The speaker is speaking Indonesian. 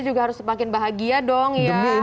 juga harus semakin bahagia dong ya